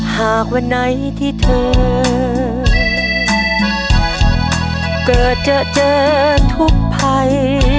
หากวันไหนที่เธอเกิดจะเจอทุกภัย